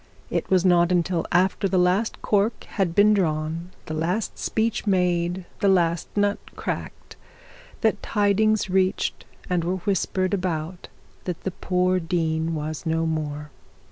It was not till after the last cork had been drawn, the last speech made, the last nut cracked, that tidings reached and were whispered about that the poor dean was no more.